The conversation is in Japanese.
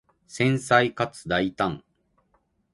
繊細かつ大胆